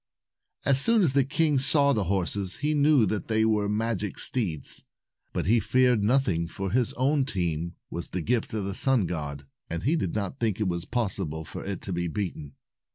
As soon as the king saw the horses, he knew that they were magic steeds. But he feared nothing, for his own team was the gift of the sun god, and he did not think it was possible for it to be beaten.